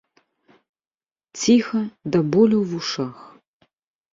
Ціха да болю ў вушах.